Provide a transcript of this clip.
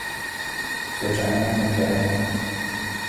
تو جامعہ پنجاب میں۔